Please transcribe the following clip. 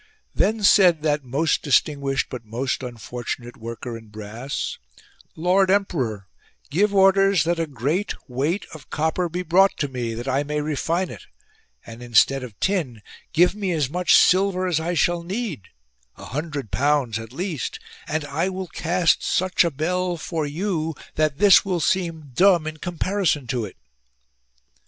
Then said that most distinguished, but most unfortunate worker in brass : Lord emperor, give orders that a great weight of copper be brought to me that I may refine it ; and instead of tin give me as much silver as I shall need — a hundred pounds at least ; and I will cast such a bell for you that this will seem dumb in comparison to it."